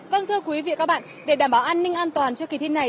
vâng thưa quý vị và các bạn để đảm bảo an ninh an toàn cho kỳ thi này